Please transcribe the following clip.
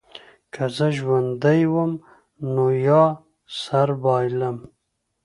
که زه ژوندی وم نو یا سر بایلم.